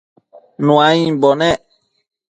Nuaimbo nec